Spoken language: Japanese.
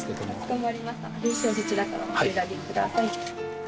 こちらからお選びください。